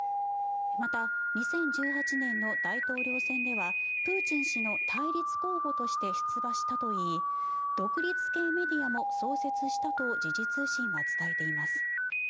また、２０１８年の大統領選ではプーチン氏の対立候補として出馬したといい独立系メディアも創設したと時事通信は伝えています。